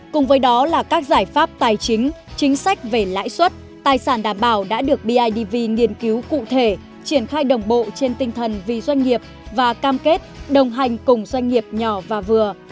cùng với đó là các giải pháp tài chính chính sách về lãi suất tài sản đảm bảo đã được bidv nghiên cứu cụ thể triển khai đồng bộ trên tinh thần vì doanh nghiệp và cam kết đồng hành cùng doanh nghiệp nhỏ và vừa